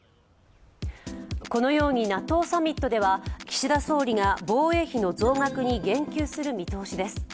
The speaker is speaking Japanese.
このようにＮＡＴＯサミットでは岸田総理が防衛費の増額に言及する見通しです。